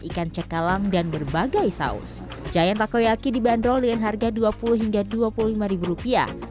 ikan cekalang dan berbagai saus giant takoyaki dibanderol dengan harga dua puluh hingga dua puluh lima rupiah